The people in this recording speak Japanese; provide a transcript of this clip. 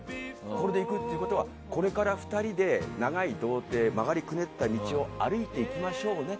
これでいくということはこれから２人で長い道程曲がりくねった道を歩いていきましょうね。